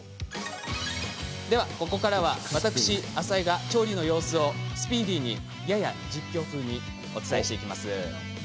ではここからはわたくし浅井が調理の様子をスピーディーにやや実況風にお伝えしていきます。